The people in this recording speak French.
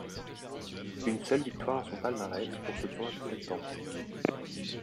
Une seule victoire à son palmarès pour ce tournoi de septembre.